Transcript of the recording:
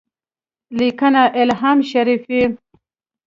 -لیکنه: الهام شریفي